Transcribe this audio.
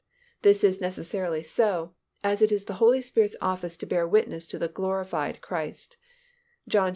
This is necessarily so, as it is the Holy Spirit's office to bear witness to the glorified Christ (John xv.